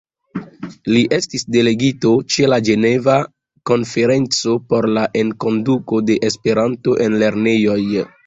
Li estis delegito ĉe la Ĝeneva konferenco por la enkonduko de Esperanto en lernejoj.